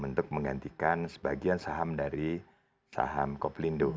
untuk menggantikan sebagian saham dari saham koplindo